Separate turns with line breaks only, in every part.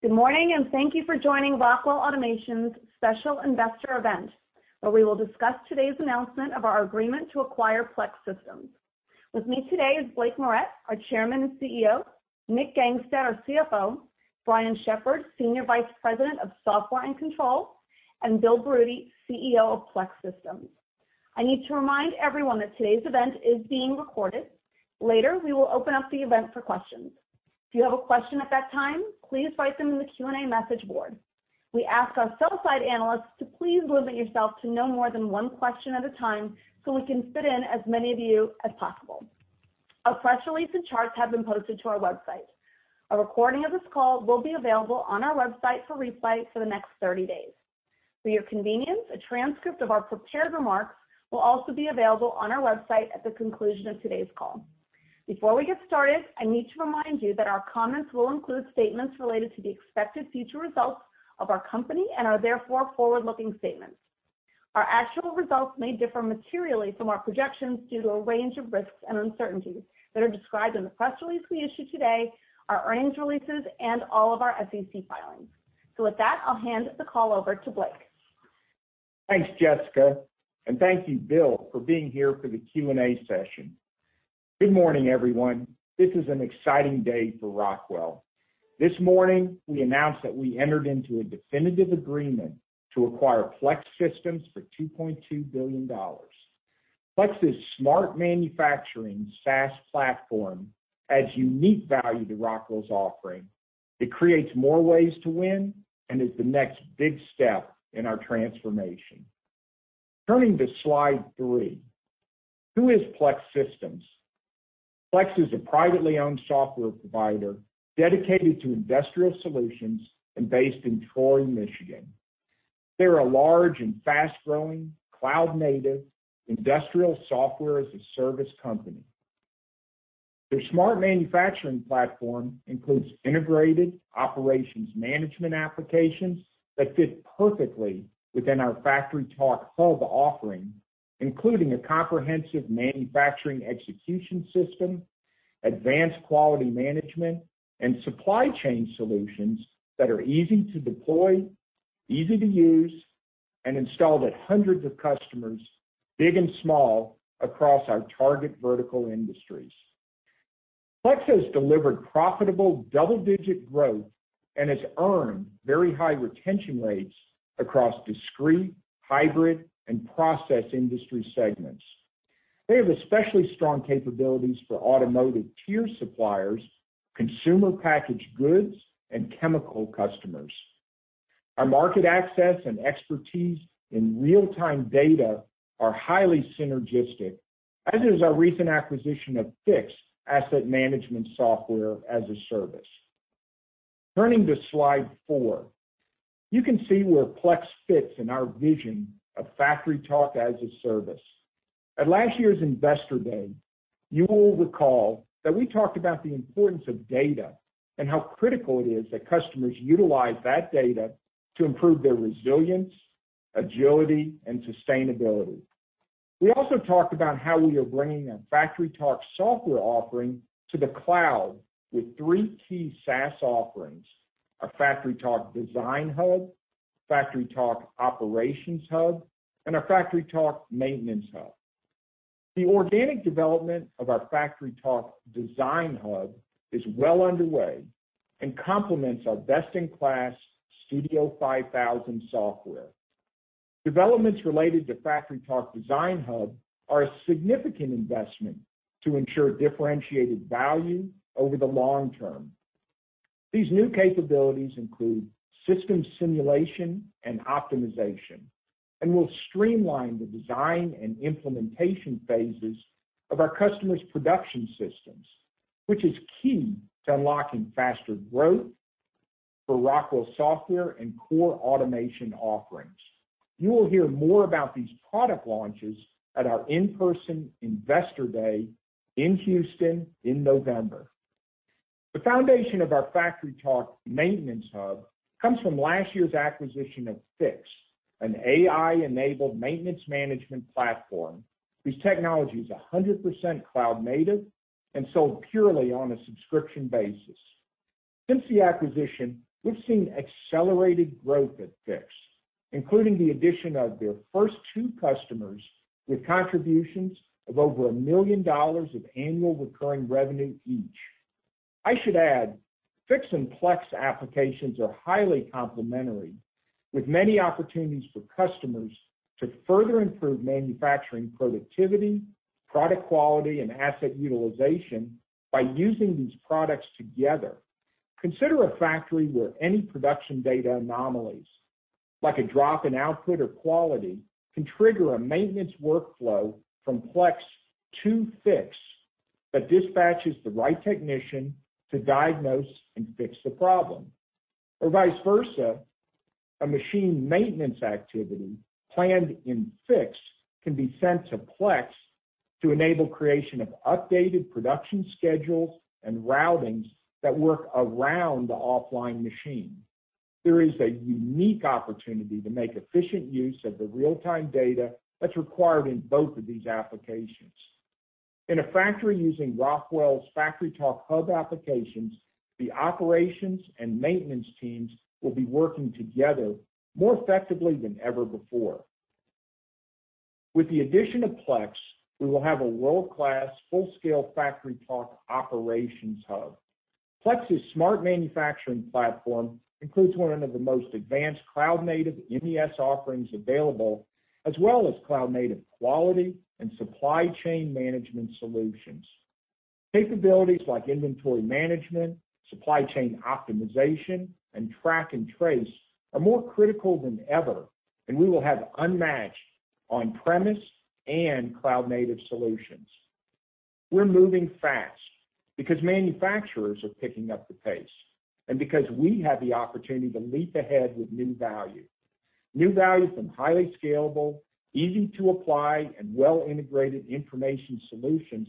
Good morning, thank you for joining Rockwell Automation's special investor event, where we will discuss today's announcement of our agreement to acquire Plex Systems. With me today is Blake Moret, our Chairman and CEO, Nick Gangestad, our CFO, Brian Shepherd, Senior Vice President of Software and Controls, and Bill Berutti, CEO of Plex Systems. I need to remind everyone that today's event is being recorded. Later, we will open up the event for questions. If you have a question at that time, please write them in the Q&A message board. We ask our sell-side analysts to please limit yourself to no more than one question at a time so we can fit in as many of you as possible. A press release and charts have been posted to our website. A recording of this call will be available on our website for replay for the next 30 days. For your convenience, a transcript of our prepared remarks will also be available on our website at the conclusion of today's call. Before we get started, I need to remind you that our comments will include statements related to the expected future results of our company and are therefore forward-looking statements. Our actual results may differ materially from our projections due to a range of risks and uncertainties that are described in the press release we issued today, our earnings releases, and all of our SEC filings. With that, I'll hand the call over to Blake.
Thanks, Jessica. Thank you, Bill, for being here for the Q&A session. Good morning, everyone. This is an exciting day for Rockwell. This morning, we announced that we entered into a definitive agreement to acquire Plex Systems for $2.2 billion. Plex's smart manufacturing SaaS platform adds unique value to Rockwell's offering. It creates more ways to win and is the next big step in our transformation. Turning to Slide three, who is Plex Systems? Plex is a privately owned software provider dedicated to industrial solutions and based in Troy, Michigan. They're a large and fast-growing cloud-native industrial software-as-a-service company. Their smart manufacturing platform includes integrated operations management applications that fit perfectly within our FactoryTalk Hub offering, including a comprehensive manufacturing execution system, advanced quality management, and supply chain solutions that are easy to deploy, easy to use, and installed at hundreds of customers, big and small, across our target vertical industries. Plex has delivered profitable double-digit growth and has earned very high retention rates across discrete, hybrid, and process industry segments. They have especially strong capabilities for automotive tier suppliers, consumer packaged goods, and chemical customers. Our market access and expertise in real-time data are highly synergistic, as is our recent acquisition of Fiix asset management software-as-a-service. Turning to slide 4, you can see where Plex fits in our vision of FactoryTalk as-a-service. At last year's Investor Day, you will recall that we talked about the importance of data and how critical it is that customers utilize that data to improve their resilience, agility, and sustainability. We also talked about how we are bringing our FactoryTalk software offering to the cloud with three key SaaS offerings, our FactoryTalk Design Hub, FactoryTalk Operations Hub, and our FactoryTalk Maintenance Hub. The organic development of our FactoryTalk Design Hub is well underway and complements our best-in-class Studio 5000 software. Developments related to FactoryTalk Design Hub are a significant investment to ensure differentiated value over the long term. These new capabilities include system simulation and optimization and will streamline the design and implementation phases of our customers' production systems, which is key to unlocking faster growth for Rockwell software and core automation offerings. You will hear more about these product launches at our in-person Investor Day in Houston in November. The foundation of our FactoryTalk Maintenance Hub comes from last year's acquisition of Fiix, an AI-enabled maintenance management platform whose technology is 100% cloud-native and sold purely on a subscription basis. Since the acquisition, we've seen accelerated growth at Fiix, including the addition of their first two customers with contributions of over $1 million of annual recurring revenue each. I should add, Fiix and Plex applications are highly complementary, with many opportunities for customers to further improve manufacturing productivity, product quality, and asset utilization by using these products together. Consider a factory where any production data anomalies, like a drop in output or quality, can trigger a maintenance workflow from Plex to Fiix that dispatches the right technician to diagnose and fix the problem. Or vice versa, a machine maintenance activity planned in Fiix can be sent to Plex to enable creation of updated production schedules and routings that work around the offline machine. There is a unique opportunity to make efficient use of the real-time data that's required in both of these applications. In a factory using Rockwell's FactoryTalk Hub applications, the operations and maintenance teams will be working together more effectively than ever before. With the addition of Plex, we will have a world-class, full-scale FactoryTalk operations hub. Plex's smart manufacturing platform includes one of the most advanced cloud-native MES offerings available, as well as cloud-native quality and supply chain management solutions. Capabilities like inventory management, supply chain optimization, and track and trace are more critical than ever, and we will have unmatched on-premise and cloud-native solutions. We're moving fast because manufacturers are picking up the pace and because we have the opportunity to leap ahead with new value, new value from highly scalable, easy-to-apply, and well-integrated information solutions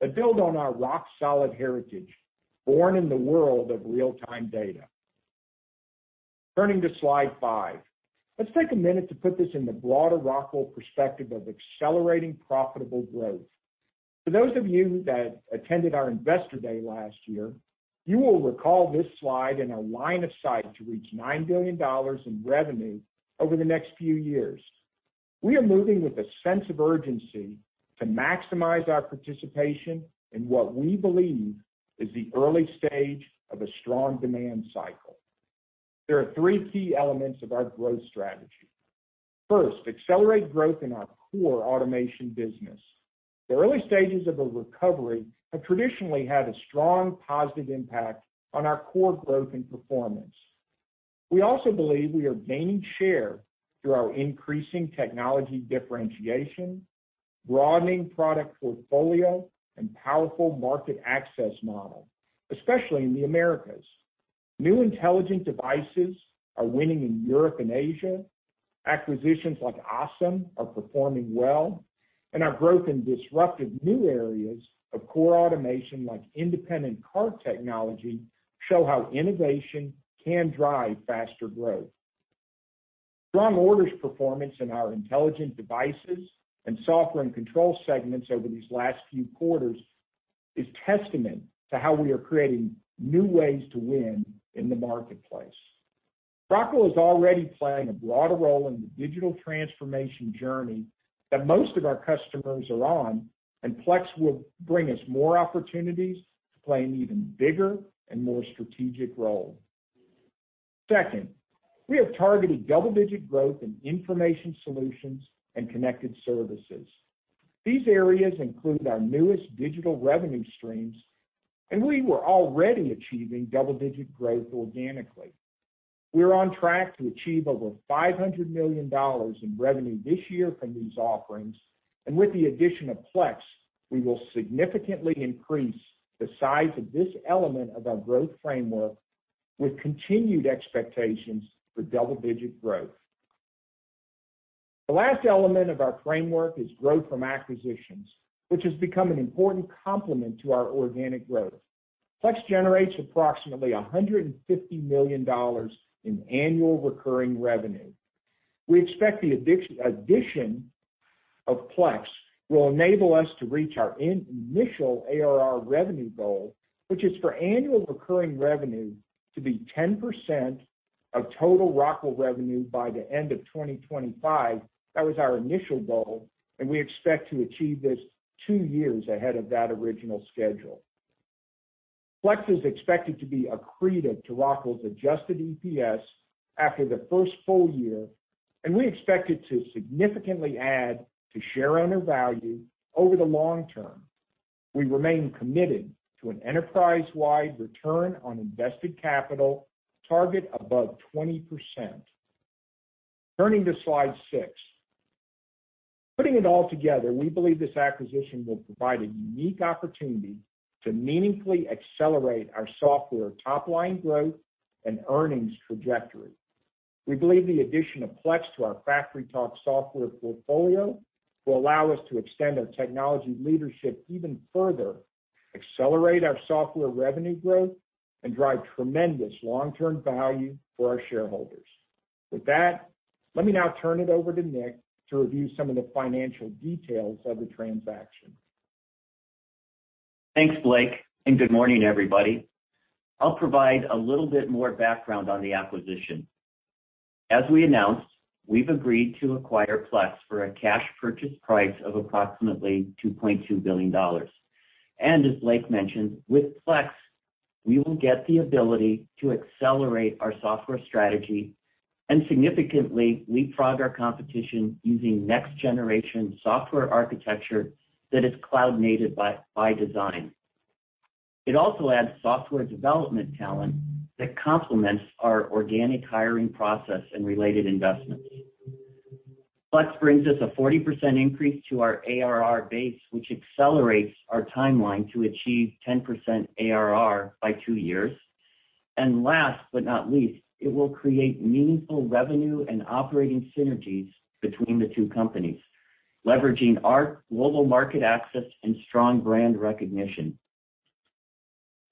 that build on our rock-solid heritage, born in the world of real-time data. Turning to Slide five. Let's take a minute to put this in the broader Rockwell perspective of accelerating profitable growth. For those of you that attended our investor day last year, you will recall this slide and our line of sight to reach $9 billion in revenue over the next few years. We are moving with a sense of urgency to maximize our participation in what we believe is the early stage of a strong demand cycle. There are three key elements of our growth strategy. First, accelerate growth in our core automation business. The early stages of a recovery have traditionally had a strong positive impact on our core growth and performance. We also believe we are gaining share through our increasing technology differentiation, broadening product portfolio, and powerful market access model, especially in the Americas. New intelligent devices are winning in Europe and Asia. Acquisitions like ASEM are performing well, and our growth in disruptive new areas of core automation like independent cart technology show how innovation can drive faster growth. Strong orders performance in our intelligent devices and software and control segments over these last few quarters is testament to how we are creating new ways to win in the marketplace. Rockwell is already playing a broader role in the digital transformation journey that most of our customers are on, and Plex will bring us more opportunities to play an even bigger and more strategic role. Second, we have targeted double-digit growth in information solutions and connected services. These areas include our newest digital revenue streams, and we were already achieving double-digit growth organically. We're on track to achieve over $500 million in revenue this year from these offerings, and with the addition of Plex, we will significantly increase the size of this element of our growth framework with continued expectations for double-digit growth. The last element of our framework is growth from acquisitions, which has become an important complement to our organic growth. Plex generates approximately $150 million in annual recurring revenue. We expect the addition of Plex will enable us to reach our initial ARR revenue goal, which is for annual recurring revenue to be 10% of total Rockwell revenue by the end of 2025. That was our initial goal, and we expect to achieve this two years ahead of that original schedule. Plex is expected to be accretive to Rockwell's adjusted EPS after the first full-year, and we expect it to significantly add to shareholder value over the long term. We remain committed to an enterprise-wide return on invested capital target above 20%. Turning to Slide six. Putting it all together, we believe this acquisition will provide a unique opportunity to meaningfully accelerate our software top-line growth and earnings trajectory. We believe the addition of Plex to our FactoryTalk software portfolio will allow us to extend our technology leadership even further, accelerate our software revenue growth, and drive tremendous long-term value for our shareholders. With that, let me now turn it over to Nick to review some of the financial details of the transaction.
Thanks, Blake, and good morning, everybody. I'll provide a little bit more background on the acquisition. As we announced, we've agreed to acquire Plex for a cash purchase price of approximately $2.2 billion. As Blake mentioned, with Plex, we will get the ability to accelerate our software strategy and significantly leapfrog our competition using next-generation software architecture that is cloud-native by design. It also adds software development talent that complements our organic hiring process and related investments. Plex brings us a 40% increase to our ARR base, which accelerates our timeline to achieve 10% ARR by two years. Last but not least, it will create meaningful revenue and operating synergies between the two companies, leveraging our global market access and strong brand recognition.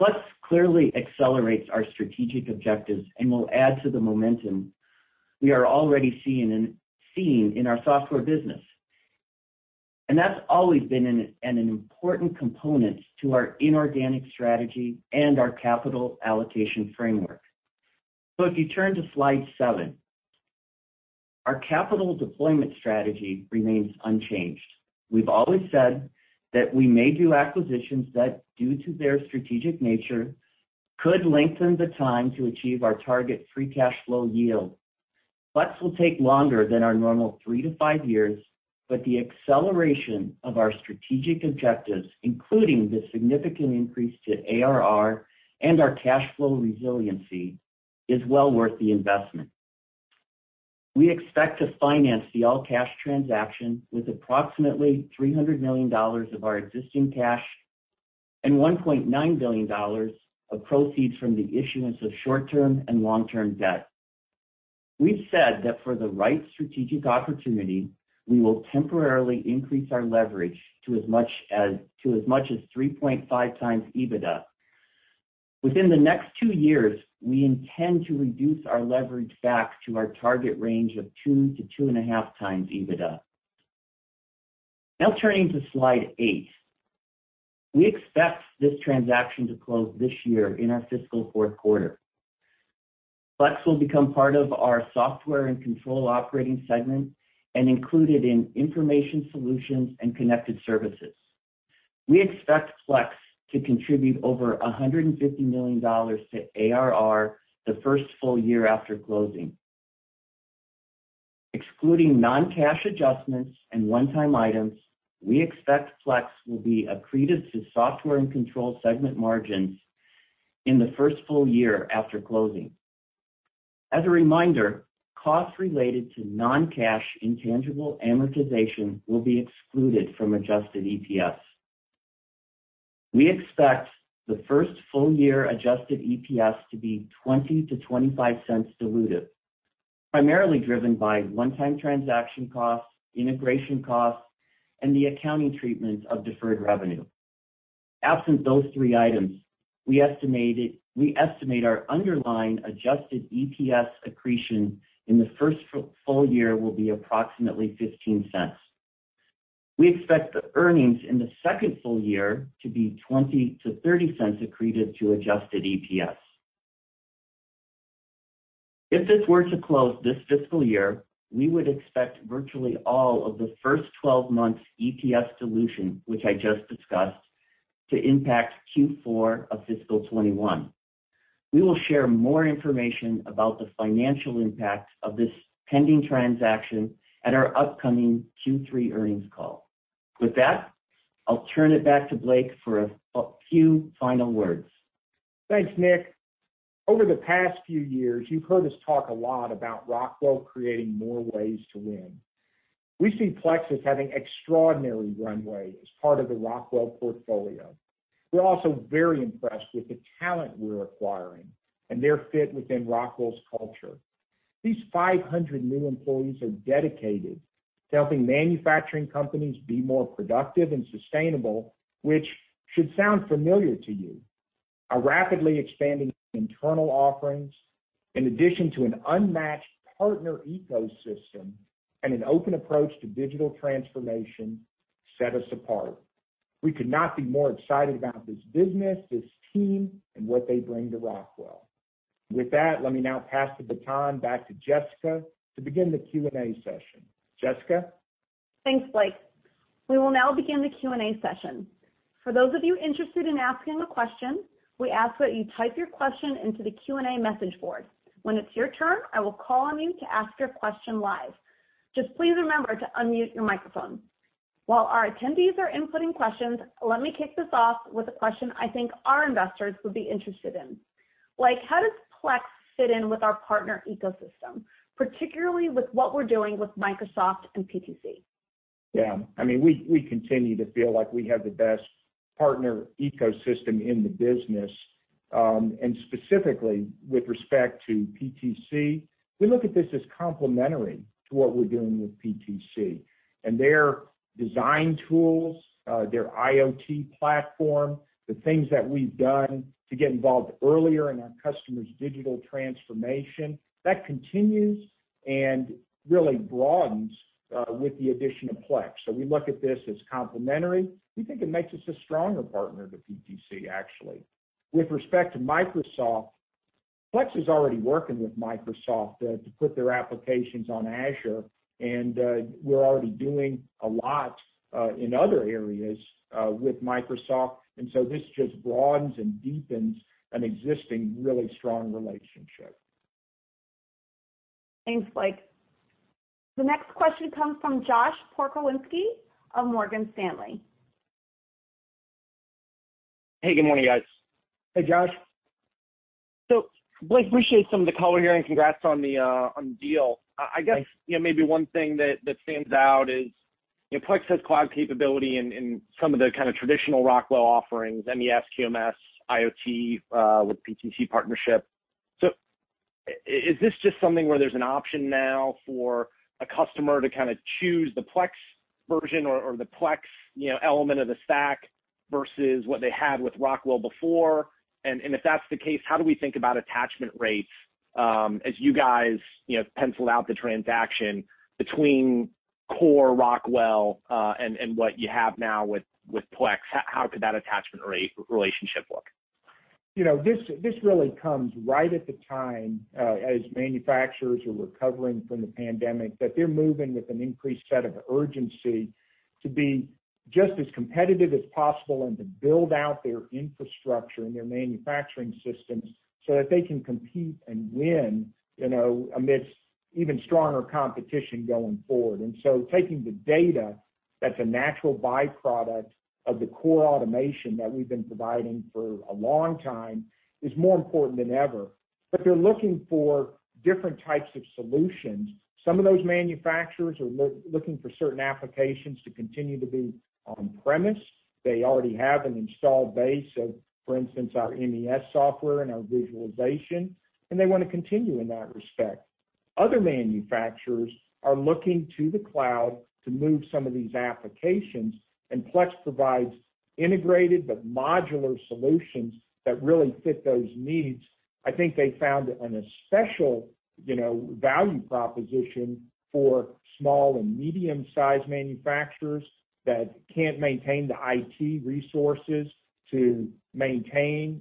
Plex clearly accelerates our strategic objectives and will add to the momentum we are already seeing in our software business. That's always been an important component to our inorganic strategy and our capital allocation framework. If you turn to Slide seven our capital deployment strategy remains unchanged. We've always said that we may do acquisitions that, due to their strategic nature, could lengthen the time to achieve our target free cash flow yield. Plex will take longer than our normal three to five years, but the acceleration of our strategic objectives, including the significant increase to ARR and our cash flow resiliency, is well worth the investment. We expect to finance the all-cash transaction with approximately $300 million of our existing cash and $1.9 billion of proceeds from the issuance of short-term and long-term debt. We've said that for the right strategic opportunity, we will temporarily increase our leverage to as much as 3.5x EBITDA. Within the next two years, we intend to reduce our leverage back to our target range of 2x-2.5x EBITDA. Now turning to Slide eight. We expect this transaction to close this year in our fiscal fourth quarter. Plex will become part of our Software & Control operating segment and included in Information Solutions and Connected Services. We expect Plex to contribute over $150 million to ARR the first full-year after closing. Excluding non-cash adjustments and one-time items, we expect Plex will be accretive to Software & Control segment margins in the first full-year after closing. As a reminder, costs related to non-cash intangible amortization will be excluded from adjusted EPS. We expect the first full-year adjusted EPS to be $0.20-$0.25 dilutive, primarily driven by one-time transaction costs, integration costs, and the accounting treatment of deferred revenue. Absent those three items, we estimate our underlying adjusted EPS accretion in the first full-year will be approximately $0.15. We expect the earnings in the second full-year to be $0.20-$0.30 accretive to adjusted EPS. If this were to close this fiscal year, we would expect virtually all of the first 12 months EPS dilution, which I just discussed, to impact Q4 of fiscal 2021. We will share more information about the financial impact of this pending transaction at our upcoming Q3 earnings call. With that, I'll turn it back to Blake for a few final words.
Thanks, Nick. Over the past few years, you've heard us talk a lot about Rockwell creating more ways to win. We see Plex as having extraordinary runway as part of the Rockwell portfolio. We're also very impressed with the talent we're acquiring and their fit within Rockwell's culture. These 500 new employees are dedicated to helping manufacturing companies be more productive and sustainable, which should sound familiar to you. Our rapidly expanding internal offerings, in addition to an unmatched partner ecosystem and an open approach to digital transformation, set us apart. We could not be more excited about this business, this team, and what they bring to Rockwell. With that, let me now pass the baton back to Jessica to begin the Q&A session. Jessica?
Thanks, Blake. We will now begin the Q&A session. For those of you interested in asking a question, we ask that you type your question into the Q&A message board. When it's your turn, I will call on you to ask your question live. Just please remember to unmute your microphone. While our attendees are inputting questions, let me kick this off with a question I think our investors will be interested in. Blake, how does Plex fit in with our partner ecosystem, particularly with what we're doing with Microsoft and PTC?
We continue to feel like we have the best partner ecosystem in the business. Specifically with respect to PTC, we look at this as complementary to what we're doing with PTC and their design tools, their IoT platform, the things that we've done to get involved earlier in our customers' digital transformation. That continues and really broadens with the addition of Plex. We look at this as complementary. We think it makes us a stronger partner to PTC, actually. With respect to Microsoft, Plex is already working with Microsoft to put their applications on Azure. We're already doing a lot in other areas with Microsoft. This just broadens and deepens an existing really strong relationship.
Thanks, Blake. The next question comes from Josh Pokrzywinski of Morgan Stanley.
Hey, good morning, guys.
Hey, Josh.
Blake, we appreciate some of the color here and congrats on the deal. I guess maybe one thing that stands out is Plex has cloud capability in some of the kind of traditional Rockwell offerings, MES, TMS, IoT with PTC partnership. Is this just something where there's an option now for a customer to kind of choose the Plex version or the Plex element of the stack versus what they had with Rockwell before? If that's the case, how do we think about attachment rates as you guys pencil out the transaction between core Rockwell and what you have now with Plex? How could that attachment rate relationship look?
This really comes right at the time as manufacturers are recovering from the pandemic, that they're moving with an increased sense of urgency to be just as competitive as possible and to build out their infrastructure and their manufacturing systems so that they can compete and win amidst even stronger competition going forward. Taking the data that's a natural byproduct of the core automation that we've been providing for a long time is more important than ever. They're looking for different types of solutions. Some of those manufacturers are looking for certain applications to continue to be on-premise. They already have an installed base of, for instance, our MES software and our visualization, and they want to continue in that respect. Other manufacturers are looking to the cloud to move some of these applications, and Plex provides integrated but modular solutions that really fit those needs. I think they found it an especial value proposition for small and medium-sized manufacturers that can't maintain the IT resources to maintain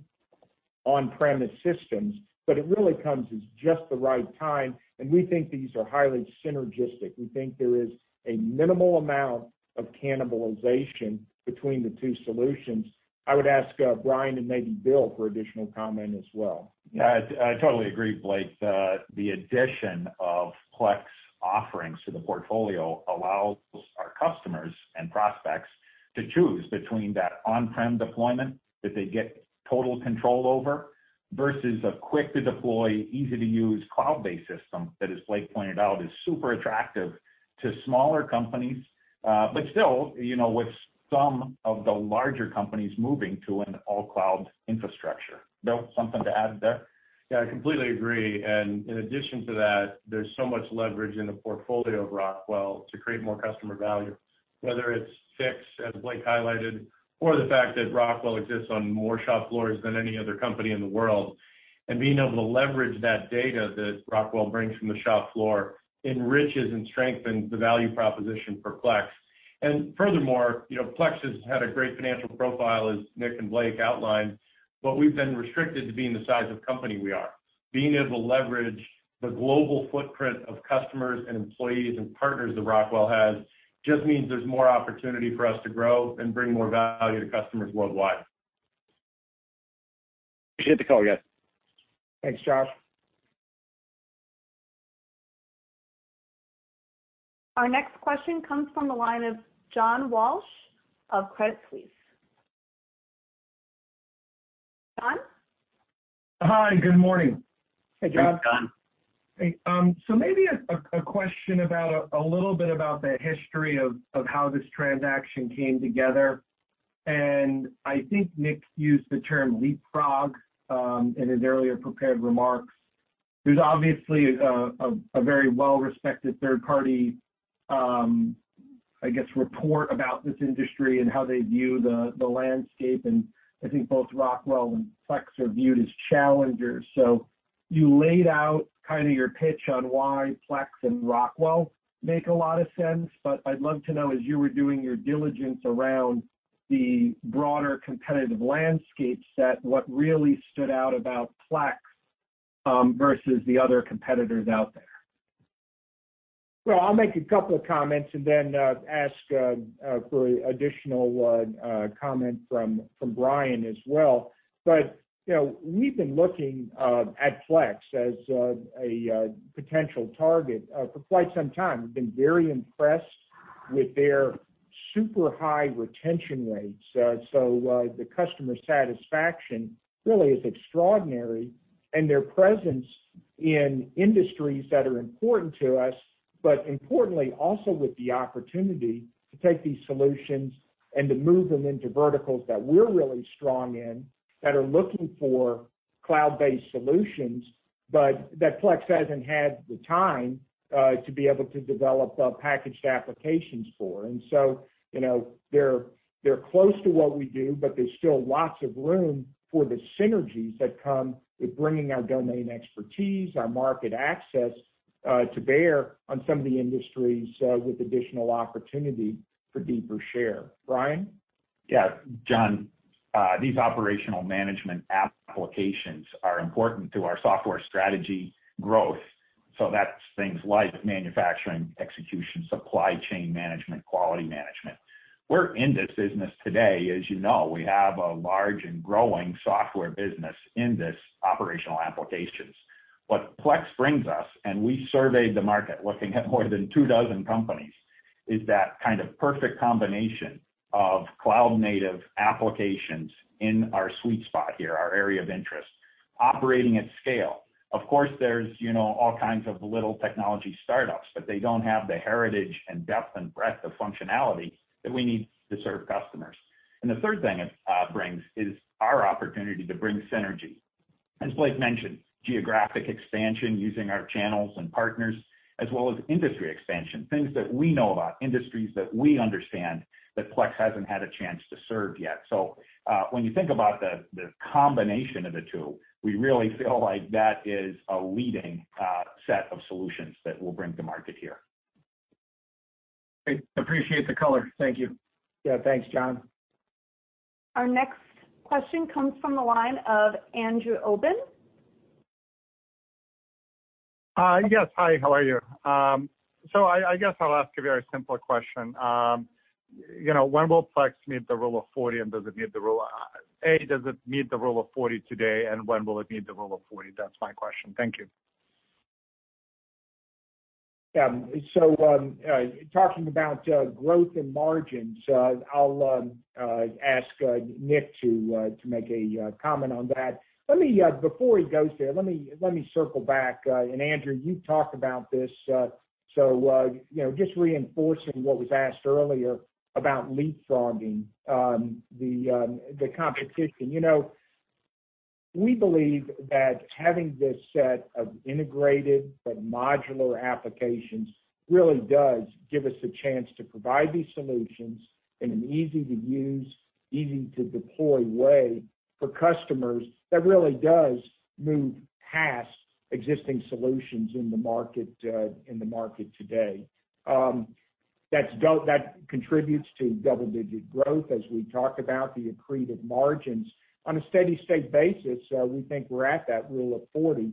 on-premise systems. It really comes at just the right time. We think these are highly synergistic. We think there is a minimal amount of cannibalization between the two solutions. I would ask Brian and maybe Bill for additional comment as well.
Yeah, I totally agree, Blake. The addition of Plex offerings to the portfolio allows our customers and prospects to choose between that on-prem deployment that they get total control over, versus a quick-to-deploy, easy-to-use cloud-based system that, as Blake pointed out, is super attractive to smaller companies. Still, with some of the larger companies moving to an all-cloud infrastructure. Bill, something to add there?
I completely agree, in addition to that, there's so much leverage in the portfolio of Rockwell to create more customer value, whether it's Fiix, as Blake highlighted, or the fact that Rockwell exists on more shop floors than any other company in the world. Being able to leverage that data that Rockwell brings from the shop floor enriches and strengthens the value proposition for Plex. Furthermore, Plex has had a great financial profile, as Nick and Blake outlined, but we've been restricted to being the size of company we are. Being able to leverage the global footprint of customers and employees and partners that Rockwell has just means there's more opportunity for us to grow and bring more value to customers worldwide.
Appreciate the call, guys.
Thanks, Josh.
Our next question comes from the line of John Walsh of Credit Suisse. John?
Hi, good morning.
Hey, John.
Maybe a question a little bit about the history of how this transaction came together, and I think Nick used the term leapfrog in his earlier prepared remarks. There's obviously a very well-respected third party, I guess, report about this industry and how they view the landscape, and I think both Rockwell and Plex are viewed as challengers. You laid out kind of your pitch on why Plex and Rockwell make a lot of sense, but I'd love to know, as you were doing your diligence around the broader competitive landscape set, what really stood out about Plex versus the other competitors out there.
I'll make a couple comments and then ask for additional comment from Brian as well. We've been looking at Plex as a potential target for quite some time. We've been very impressed with their super high retention rates. The customer satisfaction really is extraordinary, and their presence in industries that are important to us, but importantly also with the opportunity to take these solutions and to move them into verticals that we're really strong in, that are looking for cloud-based solutions, but that Plex hasn't had the time to be able to develop the packaged applications for. They're close to what we do, but there's still lots of room for the synergies that come with bringing our domain expertise, our market access to bear on some of the industries with additional opportunity for deeper share. Brian?
Yeah. John, these operational management applications are important to our software strategy growth. That's things like manufacturing, execution, supply chain management, quality management. We're in this business today, as you know. We have a large and growing software business in this operational applications. What Plex brings us, and we surveyed the market looking at more than 2 dozen companies, is that kind of perfect combination of cloud-native applications in our sweet spot here, our area of interest, operating at scale. Of course, there's all kinds of little technology startups, but they don't have the heritage and depth and breadth of functionality that we need to serve customers. The third thing it brings is our opportunity to bring synergy. As Blake mentioned, geographic expansion using our channels and partners, as well as industry expansion, things that we know about, industries that we understand that Plex hasn't had a chance to serve yet. When you think about the combination of the two, we really feel like that is a leading set of solutions that we'll bring to market here.
I appreciate the color. Thank you.
Yeah. Thanks, John.
Our next question comes from the line of Andrew Obin.
Yes. Hi, how are you? I guess I'll ask a very simple question. When will Plex meet the Rule of 40, and does it meet the Rule of 40 today? When will it meet the Rule of 40? That's my question. Thank you.
Yeah. Talking about growth and margins, I'll ask Nick to make a comment on that. Before he goes there, let me circle back, and Andrew Obin, you've talked about this, so just reinforcing what was asked earlier about leapfrogging the competition. We believe that having this set of integrated but modular applications really does give us a chance to provide these solutions in an easy-to-use, easy-to-deploy way for customers that really does move past existing solutions in the market today. That contributes to double-digit growth as we talk about the accretive margins. On a steady-state basis, we think we're at that Rule of 40.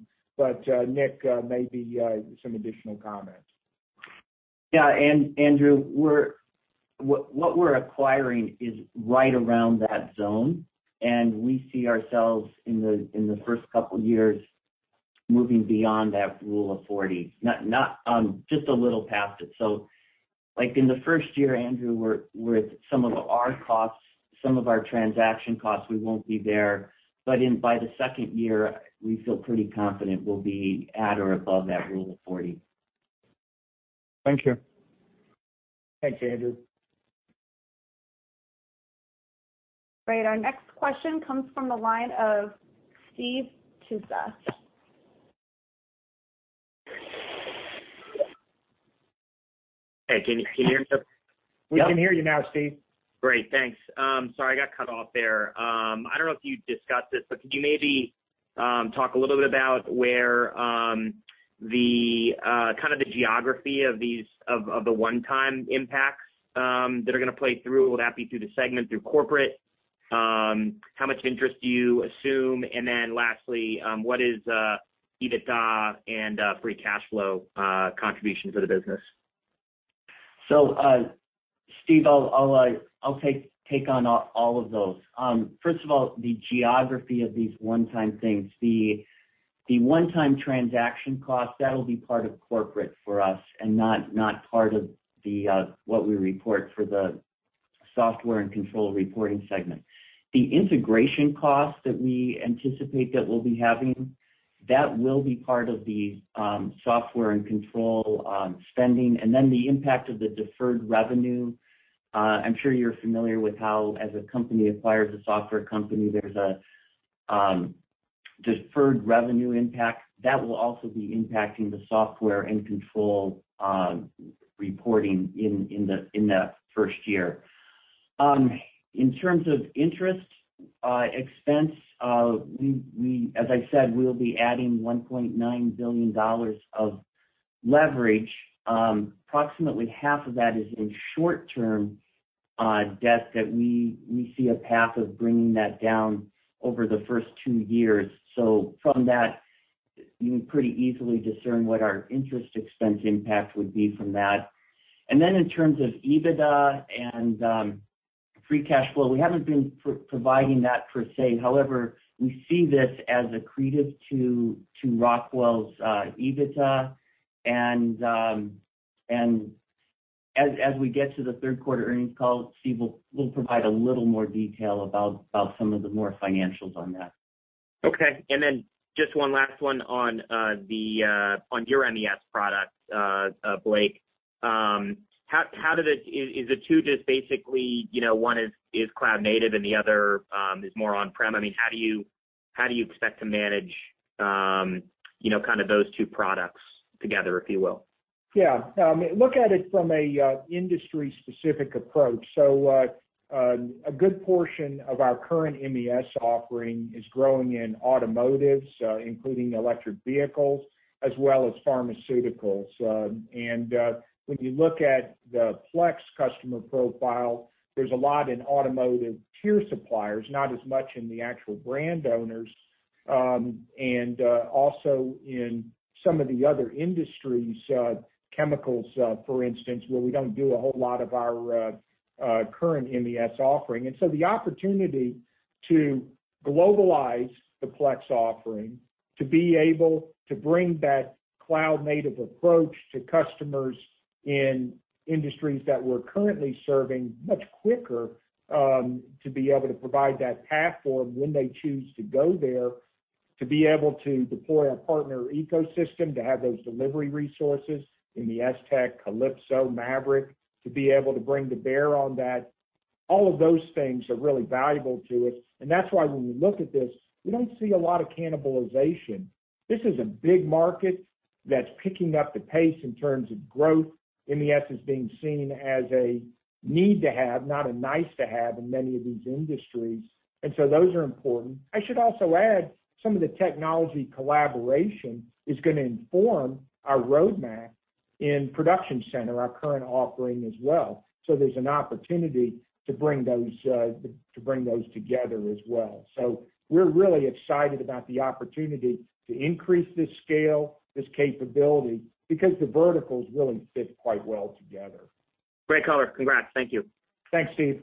Nick, maybe some additional comments.
Yeah, Andrew, what we're acquiring is right around that zone, and we see ourselves in the first couple of years moving beyond that Rule of 40. Just a little past it. In the first year, Andrew, with some of our costs, some of our transaction costs, we won't be there. By the second year, we feel pretty confident we'll be at or above that Rule of 40.
Thank you.
Thanks, Andrew.
Great. Our next question comes from the line of Steve Tusa.
Hey, can you hear me, Blake?
We can hear you now, Steve.
Great, thanks. Sorry, I got cut off there. I don't know if you discussed this, could you maybe talk a little bit about where the geography of the one-time impacts that are going to play through? Will it happen through the segment, through corporate? How much interest do you assume? Lastly, what is EBITDA and free cash flow contribution to the business?
Steve, I'll take on all of those. First of all, the geography of these one-time things, the one-time transaction cost, that'll be part of corporate for us and not part of what we report for the software and control reporting segment. The integration cost that we anticipate that we'll be having, that will be part of the software and control spending. The impact of the deferred revenue, I'm sure you're familiar with how as a company acquires a software company, there's a deferred revenue impact. That will also be impacting the software and control reporting in that first year. In terms of interest expense, as I said, we'll be adding $1.9 billion of leverage. Approximately half of that is in short-term debt that we see a path of bringing that down over the first 2 years. From that, you can pretty easily discern what our interest expense impact would be from that. In terms of EBITDA and free cash flow, we haven't been providing that per se. However, we see this as accretive to Rockwell's EBITDA, and as we get to the third quarter earnings call, Steve, we'll provide a little more detail about some of the financials on that.
Okay. Just one last one on your MES product, Blake. Is the two just basically, one is cloud-native and the other is more on-prem? How do you expect to manage those two products together, if you will?
Yeah. Look at it from an industry-specific approach. A good portion of our current MES offering is growing in automotive, including electric vehicles as well as pharmaceuticals. When you look at the Plex customer profile, there's a lot in automotive tier suppliers, not as much in the actual brand owners, and also in some of the other industries, chemicals, for instance, where we don't do a whole lot of our current MES offering. The opportunity to globalize the Plex offering, to be able to bring that cloud-native approach to customers in industries that we're currently serving much quicker, to be able to provide that platform when they choose to go there, to be able to deploy our partner ecosystem, to have those delivery resources in the STEC, Kalypso, Maverick, to be able to bring to bear on that All of those things are really valuable to us. That's why when we look at this, we don't see a lot of cannibalization. This is a big market that's picking up the pace in terms of growth. MES is being seen as a need to have, not a nice to have in many of these industries. Those are important. I should also add some of the technology collaboration is going to inform our roadmap in ProductionCentre, our current offering as well. There's an opportunity to bring those together as well. We're really excited about the opportunity to increase this scale, this capability, because the verticals really fit quite well together.
Great color. Congrats. Thank you.
Thanks, Steve.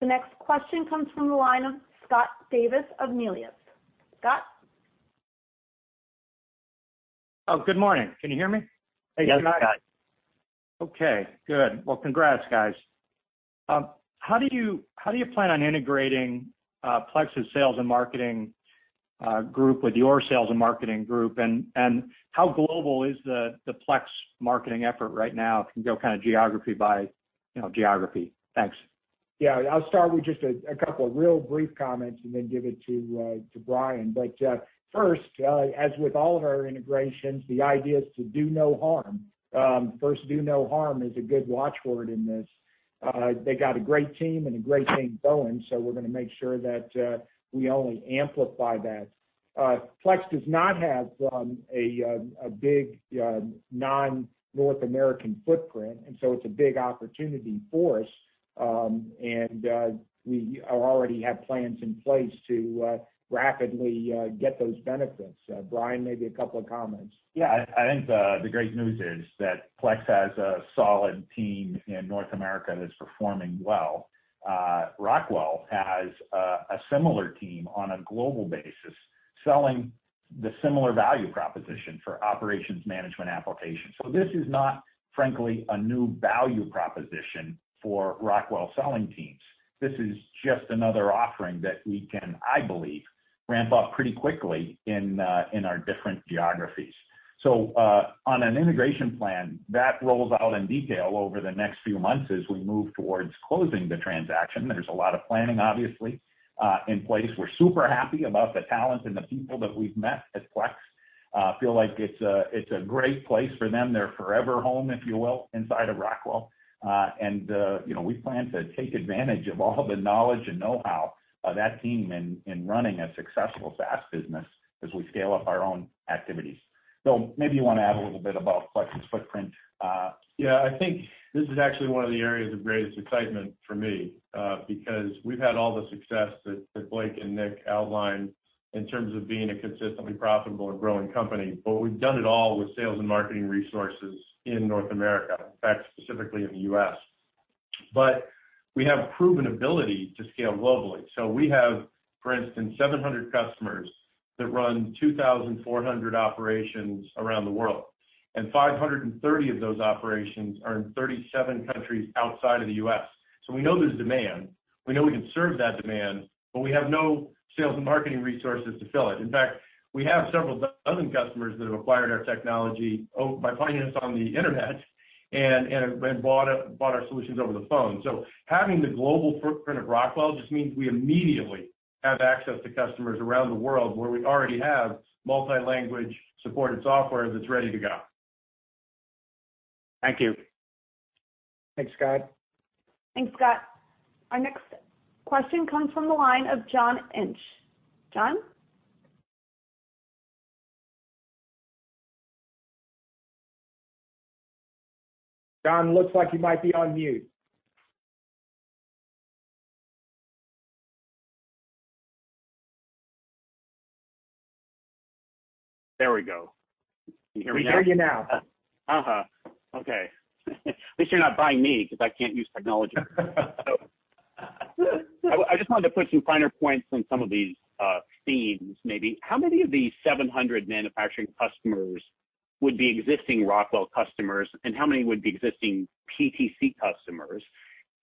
The next question comes from the line of Scott Davis of Melius. Scott?
Oh, good morning. Can you hear me?
Yes.
Okay, good. Well, congrats guys. How do you plan on integrating Plex's sales and marketing group with your sales and marketing group? How global is the Plex marketing effort right now? If you can go kind of geography by geography. Thanks.
I'll start with just a couple real brief comments and then give it to Brian. First, as with all of our integrations, the idea is to do no harm. First do no harm is a good watchword in this. They got a great team and a great thing going, we're going to make sure that we only amplify that. Plex does not have a big non-North American footprint, it's a big opportunity for us. We already have plans in place to rapidly get those benefits. Brian, maybe a couple of comments.
Yeah, I think the great news is that Plex has a solid team in North America that's performing well. Rockwell has a similar team on a global basis, selling the similar value proposition for operations management applications. This is not, frankly, a new value proposition for Rockwell selling teams. This is just another offering that we can, I believe, ramp up pretty quickly in our different geographies. On an integration plan that rolls out in detail over the next few months as we move towards closing the transaction. There's a lot of planning, obviously, in place. We're super happy about the talent and the people that we've met at Plex. Feel like it's a great place for them, their forever home, if you will, inside of Rockwell. We plan to take advantage of all the knowledge and know-how of that team in running a successful SaaS business as we scale up our own activities. Maybe you want to add a little bit about Plex's footprint.
Yeah, I think this is actually one of the areas of greatest excitement for me. We've had all the success that Blake and Nick outlined in terms of being a consistently profitable and growing company. We've done it all with sales and marketing resources in North America, in fact, specifically in the U.S. We have proven ability to scale globally. We have, for instance, 700 customers that run 2,400 operations around the world, and 530 of those operations are in 37 countries outside of the U.S. We know there's demand, we know we can serve that demand, but we have no sales and marketing resources to fill it. In fact, we have several dozen customers that have acquired our technology by finding us on the Internet and bought our solutions over the phone. Having the global footprint of Rockwell just means we immediately have access to customers around the world where we already have multi-language supported software that's ready to go.
Thank you.
Thanks, Scott.
Thanks, Scott. Our next question comes from the line of John Inch. John?
John looks like you might be on mute.
There we go. Can you hear me?
We hear you now.
Okay. At least you're not by me, because I can't use technology. I just wanted to put some finer points on some of these themes, maybe. How many of these 700 manufacturing customers would be existing Rockwell customers, and how many would be existing PTC customers?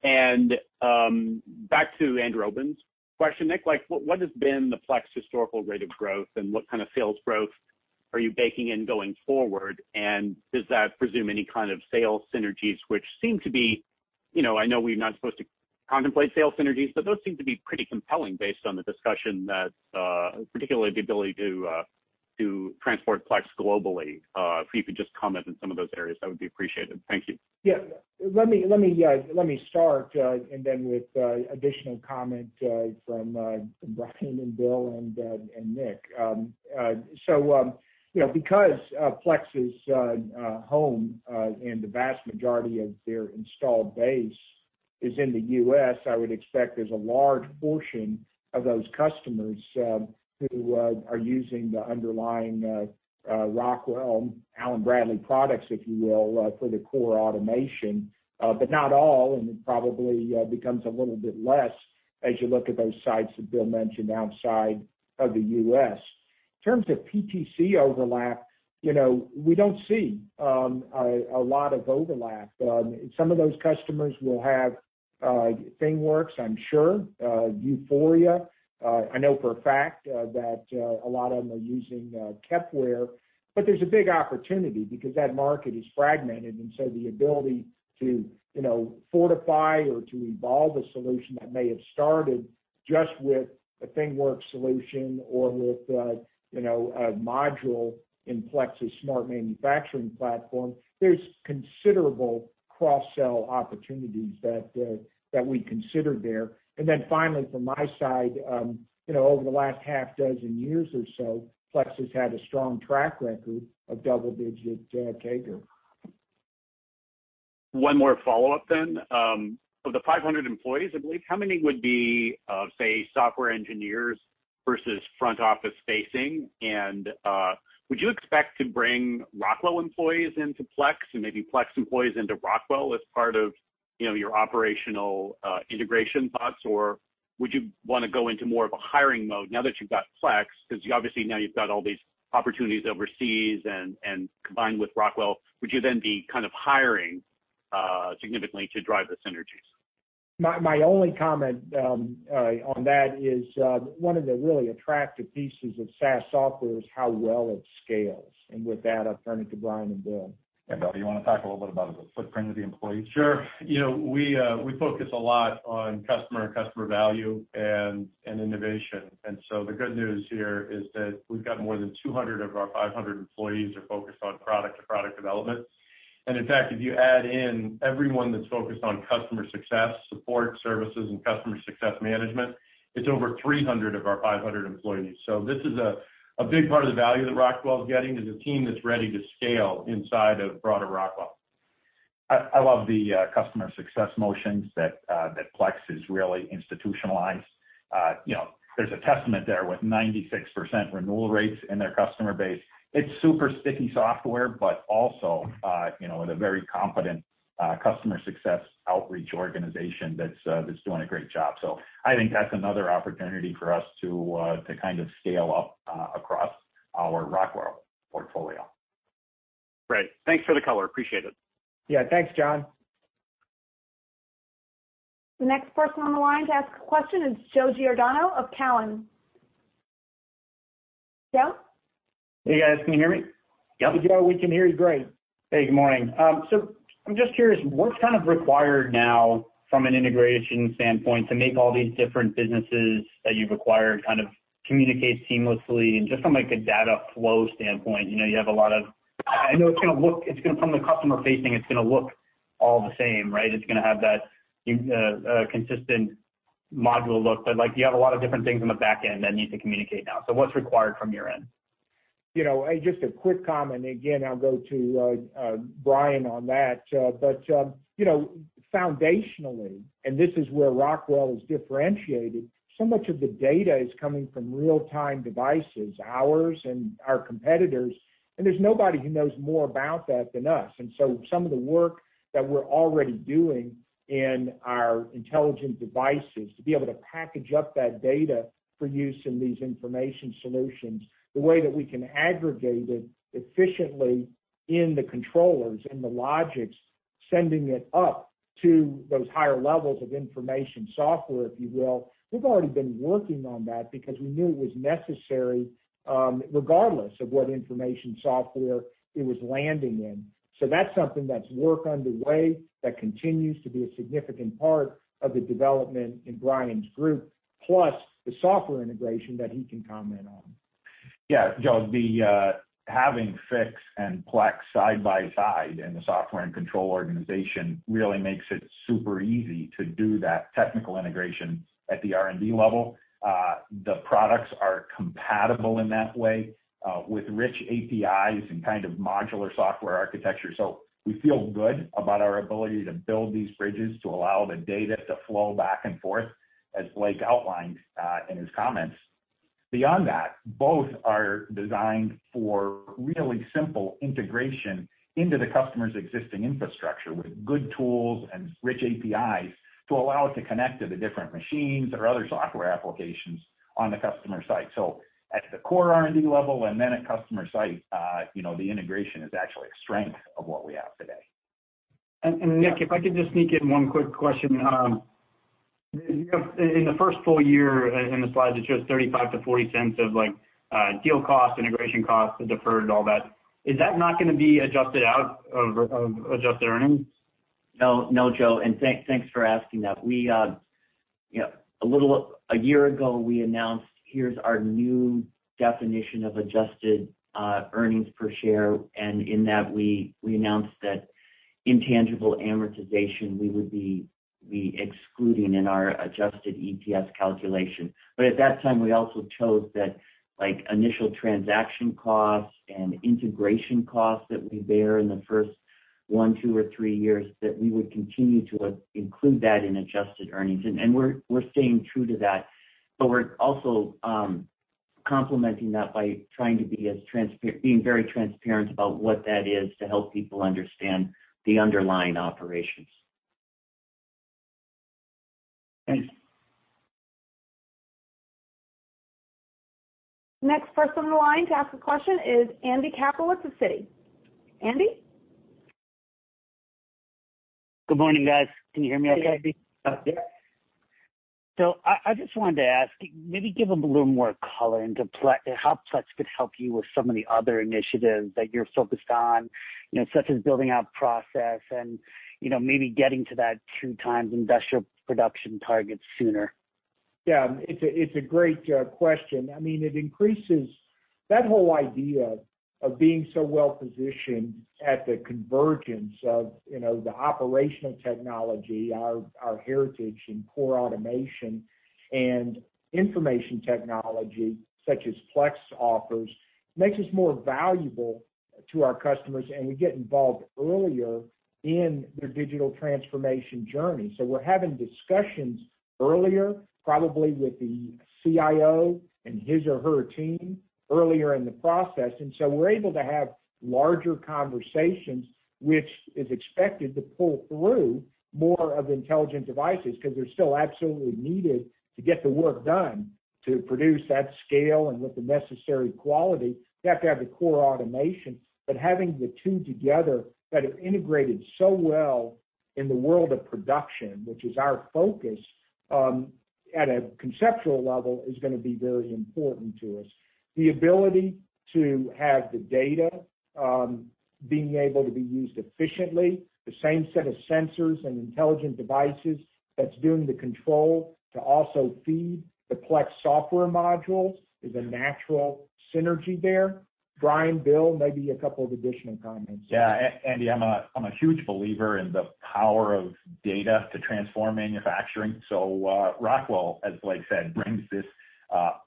Back to Andrew Obin's question, Nick, what has been the Plex historical rate of growth, and what kind of sales growth are you baking in going forward? Does that presume any kind of sales synergies which seem to be I know we're not supposed to contemplate sales synergies, but those seem to be pretty compelling based on the discussion that, particularly the ability to transport Plex globally. If you could just comment on some of those areas, that would be appreciated. Thank you.
Yeah. Let me start, and then with additional comment from Brian and Bill and Nick. Because Plex's home and the vast majority of their installed base is in the U.S., I would expect there's a large portion of those customers who are using the underlying Rockwell Allen-Bradley products, if you will, for the core automation. Not all, and it probably becomes a little bit less as you look at those sites that Bill mentioned outside of the U.S. In terms of PTC overlap, we don't see a lot of overlap. Some of those customers will have ThingWorx, I'm sure. Vuforia, I know for a fact that a lot of them are using Kepware. There's a big opportunity because that market is fragmented, and so the ability to fortify or to evolve a solution that may have started just with a ThingWorx solution or with a module in Plex's smart manufacturing platform, there's considerable cross-sell opportunities that we consider there. Finally, from my side, over the last half dozen years or so, Plex has had a strong track record of double-digit revenue growth.
One more follow-up. Of the 500 employees, I believe, how many would be, say, software engineers versus front-office facing? Would you expect to bring Rockwell employees into Plex and maybe Plex employees into Rockwell as part of your operational integration thoughts? Would you want to go into more of a hiring mode now that you've got Plex? Obviously now you've got all these opportunities overseas and combined with Rockwell, would you then be kind of hiring significantly to drive the synergies?
My only comment on that is one of the really attractive pieces of SaaS software is how well it scales. With that, I'll turn it to Brian and Bill.
Bill, do you want to talk a little bit about the footprint of the employees?
Sure. We focus a lot on customer value and innovation. The good news here is that we've got more than 200 of our 500 employees are focused on product development. In fact, if you add in everyone that's focused on customer success, support services, and customer success management, it's over 300 of our 500 employees. This is a big part of the value that Rockwell is getting is a team that's ready to scale inside of broader Rockwell. I love the customer success motions that Plex has really institutionalized. There's a testament there with 96% renewal rates in their customer base. It's super sticky software, but also with a very competent customer success outreach organization that's doing a great job. I think that's another opportunity for us to scale up across our Rockwell portfolio.
Great. Thanks for the color. Appreciate it.
Yeah. Thanks, John.
Next person on the line to ask a question is Joe Giordano of Cowen. Joe?
Hey, guys, can you hear me?
Yep. We can hear you great.
Hey, good morning. I'm just curious, what's kind of required now from an integration standpoint to make all these different businesses that you've acquired kind of communicate seamlessly and just from like a data flow standpoint? I know from the customer-facing it's going to look all the same, right? It's going to have that consistent module look. You have a lot of different things on the back end that need to communicate now. What's required from your end?
Just a quick comment, again, I'll go to Brian on that. Foundationally, and this is where Rockwell is differentiated, so much of the data is coming from real-time devices, ours and our competitors, and there's nobody who knows more about that than us. Some of the work that we're already doing in our intelligent devices to be able to package up that data for use in these information solutions, the way that we can aggregate it efficiently in the controllers, in the Logix, sending it up to those higher levels of information software, if you will. We've already been working on that because we knew it was necessary regardless of what information software it was landing in. That's something that's work underway that continues to be a significant part of the development in Brian's group, plus the software integration that he can comment on.
Joe, having Fiix and Plex side by side in the software and control organization really makes it super easy to do that technical integration at the R&D level. The products are compatible in that way with rich APIs and kind of modular software architecture. We feel good about our ability to build these bridges to allow the data to flow back and forth, as Blake outlined in his comments. Beyond that, both are designed for really simple integration into the customer's existing infrastructure with good tools and rich APIs to allow it to connect to the different machines or other software applications on the customer site. At the core R&D level and then at customer site, the integration is actually a strength of what we have today.
Nick, if I could just sneak in one quick question. In the first full-year, in the slide that shows $0.35-$0.40 of deal cost, integration cost, the deferred and all that, is that not going to be adjusted out of adjusted earnings?
No, Joe, and thanks for asking that. A year ago, we announced, here's our new definition of adjusted earnings per share, and in that, we announced that intangible amortization we would be excluding in our adjusted EPS calculation. At that time, we also chose that initial transaction costs and integration costs that we bear in the first one, two, or three years, that we would continue to include that in adjusted earnings. We're staying true to that, but we're also complementing that by trying to be very transparent about what that is to help people understand the underlying operations.
Thanks.
Next person on the line to ask a question is Andy Kaplowitz with Citi. Andy?
Good morning, guys. Can you hear me okay?
Yeah.
I just wanted to ask, maybe give a little more color into how Plex could help you with some of the other initiatives that you're focused on, such as building out process and maybe getting to that two times industrial production target sooner.
Yeah, it's a great question. It increases that whole idea of being so well-positioned at the convergence of the operational technology, our heritage in core automation, and information technology, such as Plex offers, makes us more valuable to our customers. We get involved earlier in their digital transformation journey. We're having discussions earlier, probably with the CIO and his or her team earlier in the process. We're able to have larger conversations, which is expected to pull through more of intelligent devices, because they're still absolutely needed to get the work done. To produce that scale and with the necessary quality, you have to have the core automation. Having the two together that have integrated so well in the world of production, which is our focus, at a conceptual level, is going to be very important to us. The ability to have the data, being able to be used efficiently, the same set of sensors and intelligent devices that is doing the control to also feed the Plex software modules is a natural synergy there. Brian, Bill, maybe a couple of additional comments.
Andy, I'm a huge believer in the power of data to transform manufacturing. Rockwell, as Blake said, brings this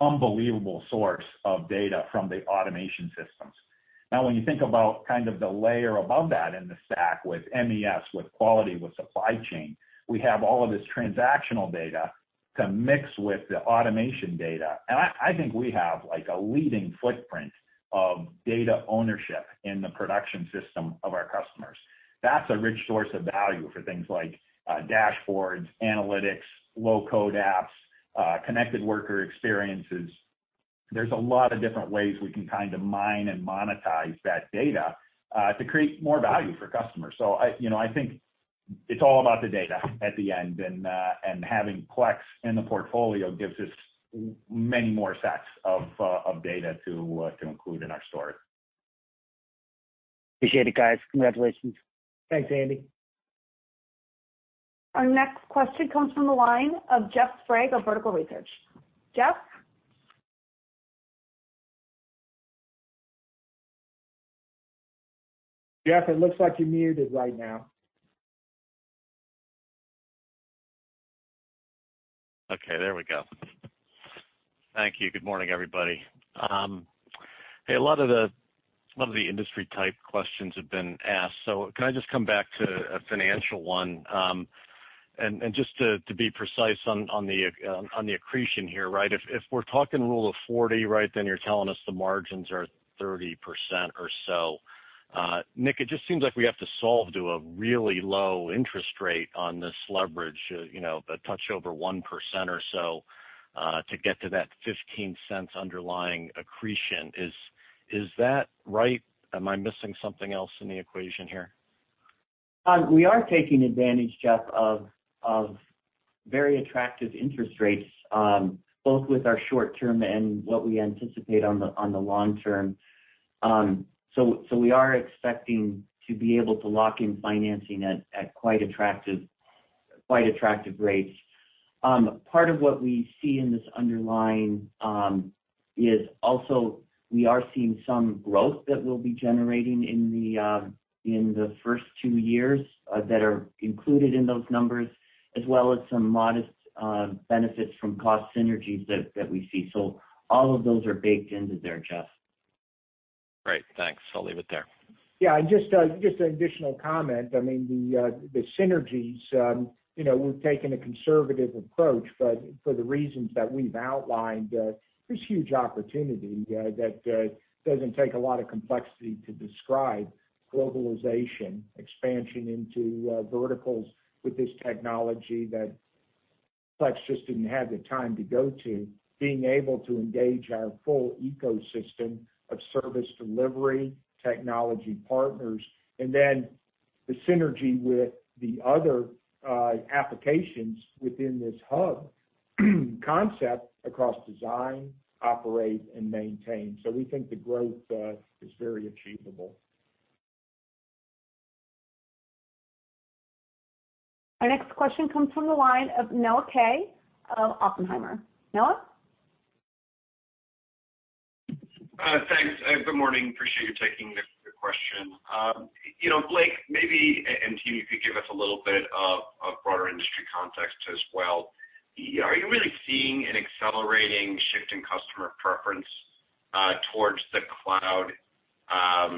unbelievable source of data from the automation systems. When you think about the layer above that in the stack with MES, with quality, with supply chain, we have all of this transactional data to mix with the automation data. I think we have a leading footprint of data ownership in the production system of our customers. That's a rich source of value for things like dashboards, analytics, low-code apps, connected worker experiences. There's a lot of different ways we can mine and monetize that data to create more value for customers. I think it's all about the data at the end, and having Plex in the portfolio gives us many more sets of data to include in our story.
Appreciate it, guys. Congratulations.
Thanks, Andy.
Our next question comes from the line of Jeff Sprague of Vertical Research. Jeff?
Jeff, it looks like you're muted right now.
Okay, there we go. Thank you. Good morning, everybody. Hey, a lot of the industry type questions have been asked. Can I just come back to a financial one? Just to be precise on the accretion here. If we're talking Rule of 40, you're telling us the margins are 30% or so. Nick, it just seems like we have to solve to a really low interest rate on this leverage, a touch over 1% or so, to get to that $0.15 underlying accretion. Is that right? Am I missing something else in the equation here?
We are taking advantage, Jeff, of very attractive interest rates, both with our short-term and what we anticipate on the long-term. We are expecting to be able to lock in financing at quite attractive rates. Part of what we see in this underlying is also we are seeing some growth that we'll be generating in the first two years that are included in those numbers, as well as some modest benefits from cost synergies that we see. All of those are baked into there, Jeff.
Great. Thanks. I will leave it there.
Just an additional comment. The synergies, we've taken a conservative approach. For the reasons that we've outlined, there's huge opportunity that doesn't take a lot of complexity to describe. Globalization, expansion into verticals with this technology that Plex just didn't have the time to go to, being able to engage our full ecosystem of service delivery, technology partners, and then the synergy with the other applications within this hub concept across design, operate, and maintain. We think the growth is very achievable.
Our next question comes from the line of Noah Kaye of Oppenheimer. Noah Kaye?
Thanks, and good morning. Appreciate you taking the question. Blake Moret, maybe if you could give us a little bit of broader industry context as well. Are you really seeing an accelerating shift in customer preference towards the cloud? I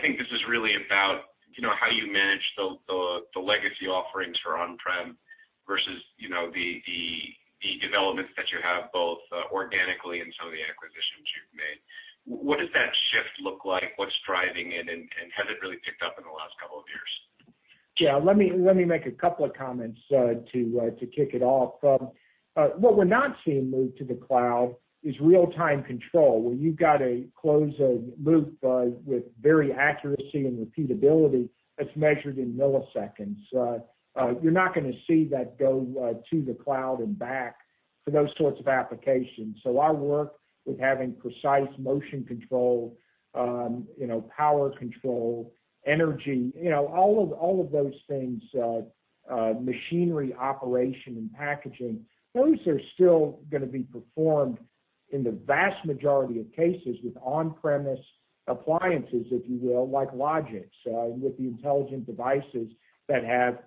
think this is really about how you manage the legacy offerings for on-prem versus the developments that you have both organically and some of the acquisitions. What does that shift look like? What's driving it, and has it really picked up in the last couple of years?
Yeah, let me make a couple of comments to kick it off. What we're not seeing move to the cloud is real-time control, where you've got to close a loop with varying accuracy and repeatability that's measured in milliseconds. You're not going to see that go to the cloud and back for those sorts of applications. A lot of work with having precise motion control, power control, energy, all of those things, machinery operation and packaging, those are still going to be performed in the vast majority of cases with on-premise appliances, if you will, like Logix, with the intelligent devices that have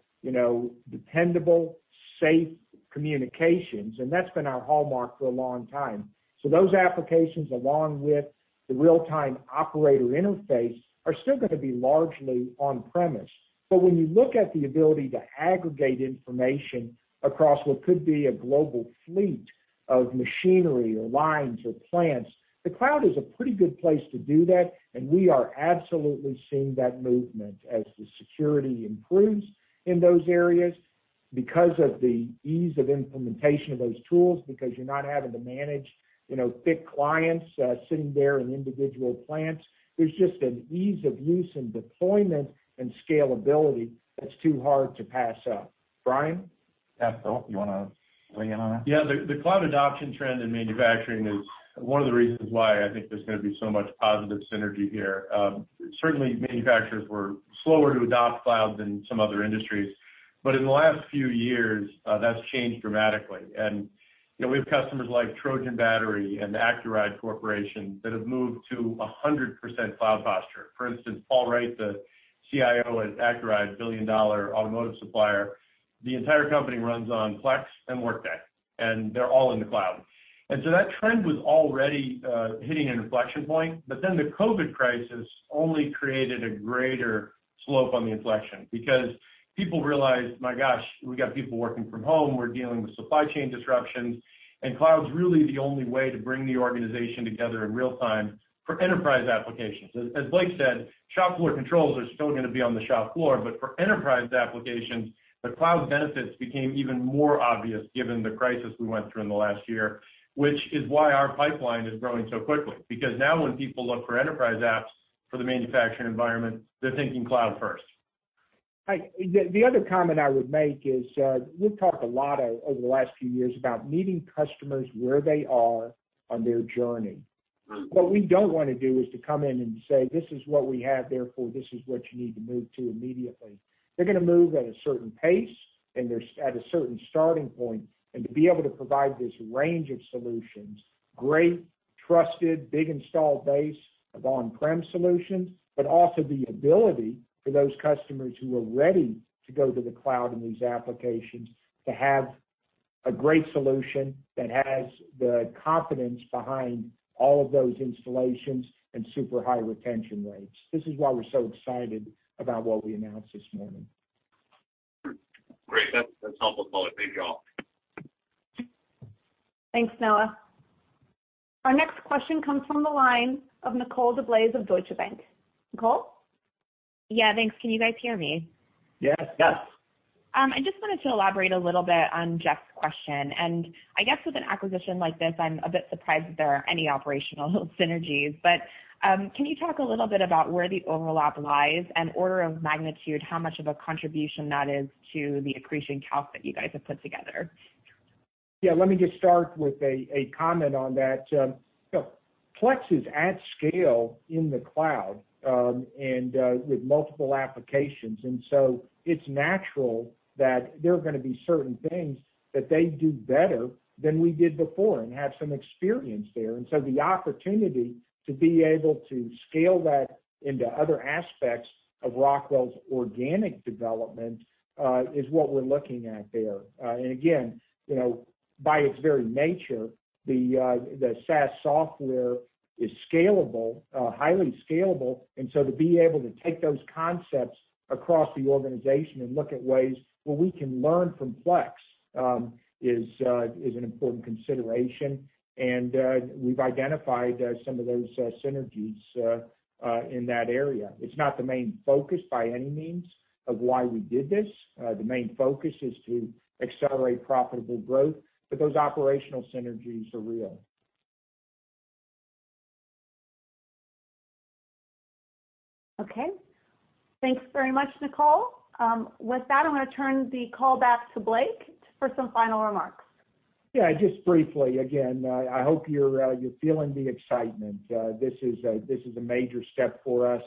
dependable, safe communications. That's been our hallmark for a long time. Those applications, along with the real-time operator interface, are still going to be largely on-premise. When you look at the ability to aggregate information across what could be a global fleet of machinery or lines or plants, the cloud is a pretty good place to do that, and we are absolutely seeing that movement as the security improves in those areas because of the ease of implementation of those tools, because you're not having to manage thick clients sitting there in individual plants. There's just an ease of use in deployment and scalability that's too hard to pass up. Brian Shepherd, you want to weigh in on that?
Yeah, the cloud adoption trend in manufacturing is one of the reasons why I think there's going to be so much positive synergy here. Certainly manufacturers were slower to adopt cloud than some other industries. In the last few years, that's changed dramatically. We have customers like Trojan Battery and Accuride Corporation that have moved to 100% cloud posture. For instance, Paul Wright, the CIO at Accuride, a billion-dollar automotive supplier, the entire company runs on Plex and Workday, and they're all in the cloud. That trend was already hitting an inflection point, the COVID crisis only created a greater slope on the inflection because people realized, my gosh, we've got people working from home. We're dealing with supply chain disruptions, and cloud's really the only way to bring the organization together in real time for enterprise applications. As Blake said, shop floor controls are still going to be on the shop floor, but for enterprise applications, the cloud benefits became even more obvious given the crisis we went through in the last year, which is why our pipeline is growing so quickly. Now when people look for enterprise apps for the manufacturing environment, they're thinking cloud first.
The other comment I would make is we've talked a lot over the last few years about meeting customers where they are on their journey. What we don't want to do is to come in and say, this is what we have, therefore, this is what you need to move to immediately. They're going to move at a certain pace, and they're at a certain starting point. To be able to provide this range of solutions, great, trusted, big install base of on-prem solutions, but also the ability for those customers who are ready to go to the cloud in these applications to have a great solution that has the confidence behind all of those installations and super high retention rates. This is why we're so excited about what we announced this morning.
Great. That's all the time I need off.
Thanks, Noah. Our next question comes from the line of Nicole DeBlase of Deutsche Bank. Nicole?
Yeah, thanks. Can you guys hear me?
Yes.
Yes.
I just wanted to elaborate a little bit on Jeff's question. I guess with an acquisition like this, I'm a bit surprised that there are any operational synergies. Can you talk a little bit about where the overlap lies and order of magnitude, how much of a contribution that is to the accretion count that you guys have put together?
Let me just start with a comment on that. Plex is at scale in the cloud, and with multiple applications. It's natural that there are going to be certain things that they do better than we did before and have some experience there. The opportunity to be able to scale that into other aspects of Rockwell's organic development is what we're looking at there. Again, by its very nature, the SaaS software is scalable, highly scalable. To be able to take those concepts across the organization and look at ways where we can learn from Plex is an important consideration, and we've identified some of those synergies in that area. It's not the main focus by any means of why we did this. The main focus is to accelerate profitable growth, but those operational synergies are real.
Okay. Thanks very much, Nicole. With that, I'm going to turn the call back to Blake for some final remarks.
Yeah, just briefly, again, I hope you're feeling the excitement. This is a major step for us.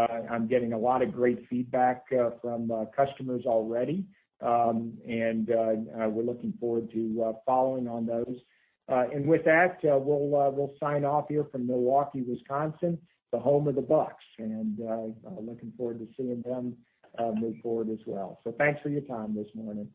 I'm getting a lot of great feedback from customers already, and we're looking forward to following on those. With that, we'll sign off here from Milwaukee, Wisconsin, the home of the Bucks, and looking forward to seeing them move forward as well. Thanks for your time this morning.